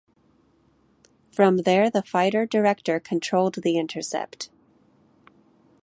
From there the fighter director controlled the intercept.